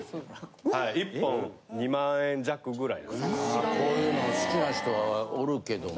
ああこういうの好きな人はおるけども。